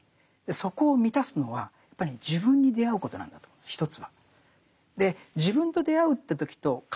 そこを満たすのはやっぱり自分に出会うことなんだと思うんです一つは。